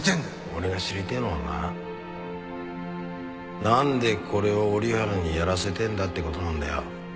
俺が知りてえのはななんでこれを折原にやらせてんだって事なんだよ。